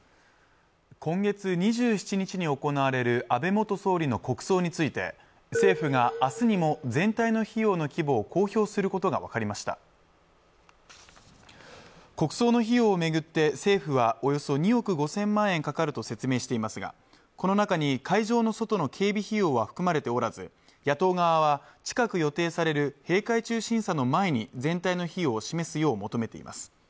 今月２７日に行われる安倍元総理の国葬について政府があすにも全体の費用の規模を公表することが分かりました国葬の費用をめぐって政府はおよそ２億５０００万円かかると説明していますがこの中に会場の外の警備費用は含まれておらず野党側は近く予定される閉会中審査の前に全体の費用を示すよう求めています